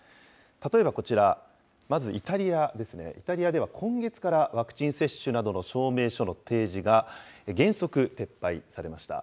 例えばこちら、まずイタリアですね、イタリアでは今月から、ワクチン接種などの証明書の提示が、原則撤廃されました。